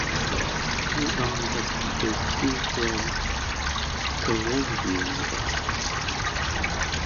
He earned a PhD from Columbia University.